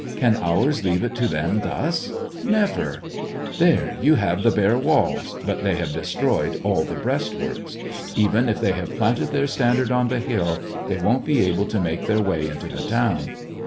Can ours leave it to them thus t Never ! There you have the bare walls ; but they have destroyed all the breastworks. Even if they have planted their standard on the hill, they won't be able to make their way into the town."